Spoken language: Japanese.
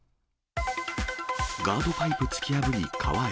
ガードパイプ突き破り川へ。